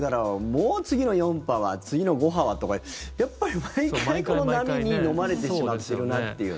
もう次の４波は次の５波はとかやっぱり毎回この波にのまれてしまってるなっていうね。